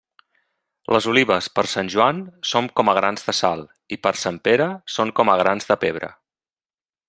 Les olives, per Sant Joan, són com a grans de sal; i per Sant Pere són com a grans de pebre.